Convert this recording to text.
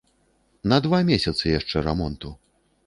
На два месяцы яшчэ рамонту.